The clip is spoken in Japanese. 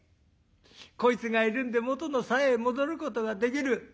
こいつがいるんで元のさやへ戻ることができる。